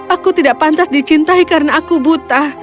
aku tidak pantas dicintai karena aku buta